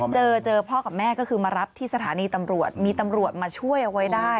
เจอเจอพ่อกับแม่ก็คือมารับที่สถานีตำรวจมีตำรวจมาช่วยเอาไว้ได้